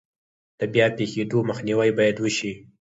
د بیا پیښیدو مخنیوی باید وشي.